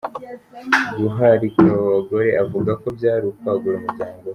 Guharika aba abagore avuga ko byari ukwagura umuryango we.